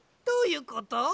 どういうこと？